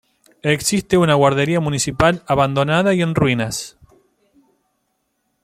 Existe una guardería municipal abandonada y en ruinas.